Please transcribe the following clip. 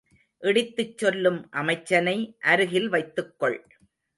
இடித்துச் சொல்லும் அமைச்சனை அருகில் வைத்துக்கொள்.